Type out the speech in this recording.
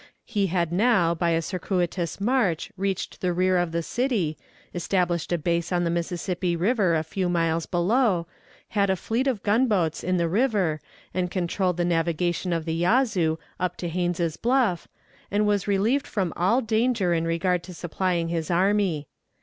He had now by a circuitous march reached the rear of the city, established a base on the Mississippi River a few miles below, had a fleet of gunboats in the river, and controlled the navigation of the Yazoo up to Haines's Bluff, and was relieved from all danger in regard to supplying his army.